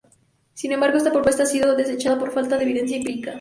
Sin embargo, esa propuesta ha sido desechada por falta de evidencia empírica.